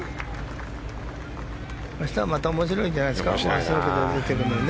明日はまた面白いんじゃないですか。